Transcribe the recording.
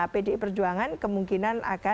pdi perjuangan kemungkinan